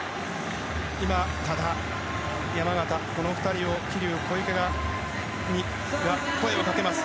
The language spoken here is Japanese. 多田、山縣、この２人に桐生、小池が声をかけます。